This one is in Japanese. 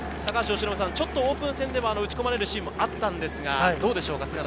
ちょっとオープン戦では打ち込まれるシーンもあったんですが、どうでしょうか？